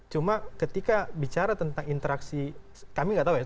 cuma ketika bicara tentang interaksi kami nggak tahu ya